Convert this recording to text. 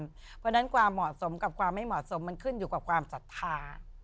เพราะฉะนั้นความเหมาะสมกับความไม่เหมาะสมมันขึ้นอยู่กับความศรัทธา